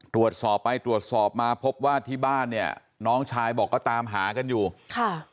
ตรวจสอบไปตรวจสอบมาพบว่าที่บ้านเนี่ยน้องชายบอกก็ตามหากันอยู่ค่ะ